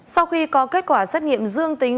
sau khi có kết quả xét nghiệm dương tính